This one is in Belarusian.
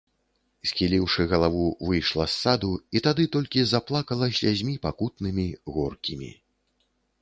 Схіліўшы галаву, выйшла з саду і тады толькі заплакала слязьмі пакутнымі, горкімі.